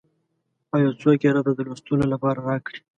او یو څوک یې راته د لوستلو لپاره راکړي.